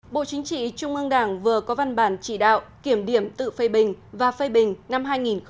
bộ chính trị trung ương đảng vừa có văn bản chỉ đạo kiểm điểm tự phê bình và phê bình năm hai nghìn một mươi chín